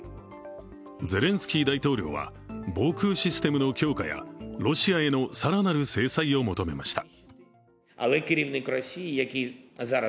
ゼレンスキー大統領は、防空システムの強化やロシアへの更なる制裁を求めました。